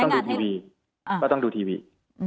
ก็ต้องดูทีวี